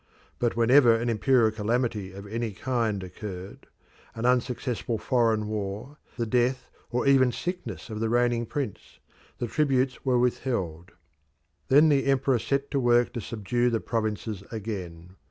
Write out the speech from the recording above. But whenever an imperial calamity of any kind occurred an unsuccessful foreign war, the death or even sickness of the reigning prince the tributes were withheld. Then the emperor set to work to subdue the provinces again.